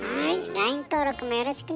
ＬＩＮＥ登録もよろしくね。